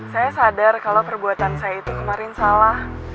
saya sadar kalau perbuatan saya itu kemarin salah